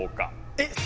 えっ？